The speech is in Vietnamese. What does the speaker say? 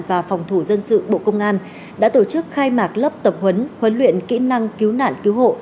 và phòng thủ dân sự bộ công an đã tổ chức khai mạc lớp tập huấn huấn luyện kỹ năng cứu nạn cứu hộ